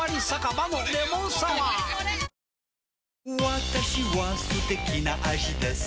私は素敵な味です